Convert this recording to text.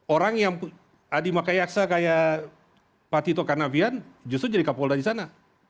orang yang adi maka yaksa kayak pati tokan navian justru jadi kapolda di sana